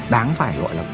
đáng phải gọi là